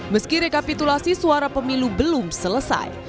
meski rekapitulasi suara pemilu belum selesai